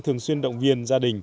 thường xuyên động viên gia đình